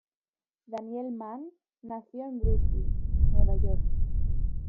Daniel Mann nació en Brooklyn, Nueva York.